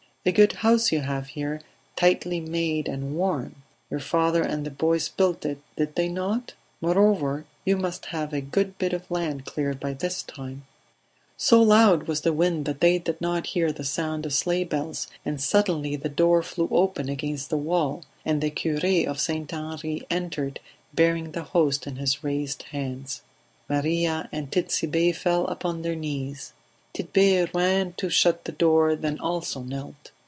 "A good house you have here; tightly made and warm. Your father and the boys built it, did they not? Moreover, you must have a good bit of land cleared by this time ..." So loud was the wind that they did not hear the sound of sleigh bells, and suddenly the door flew open against the wall and the cure of St. Henri entered, bearing the Host in his raised hands. Maria and Tit'Sebe fell upon their knees; Tit'Bé ran to shut the door, then also knelt.